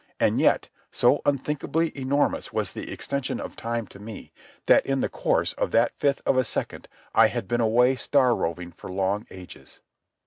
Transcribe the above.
And yet, so unthinkably enormous was the extension of time to me, that in the course of that fifth of a second I had been away star roving for long ages.